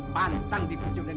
tapi gantiin selaung